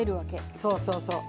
そうそうそう。